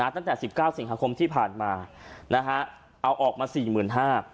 ตั้งแต่๑๙สิงหาคมที่ผ่านมาเอาออกมา๔๕๐๐๐บาท